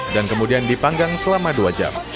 dan kemudian dipanggang selama dua jam